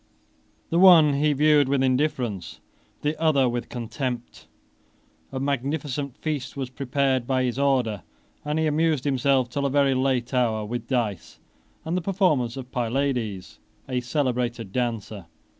The one he viewed with indifference, the other with contempt. A magnificent feast was prepared by his order, and he amused himself, till a very late hour, with dice, and the performances of Pylades, a celebrated dancer.